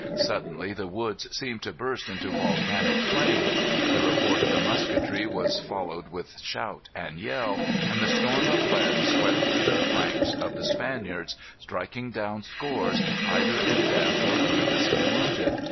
Suddenly the woods seemed to burst into volcanic flame. The report of the musketry was followed with shout and yell, and the storm of lead swept through the ranks of the Spaniards, striking down scores, either in death or grievously wounded.